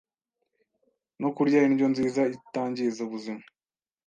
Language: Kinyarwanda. no kurya indyo nziza itangiza ubuzima